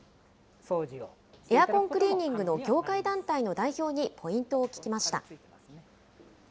エアコンクリーニングの業界団体の代表にポイントを聞きました。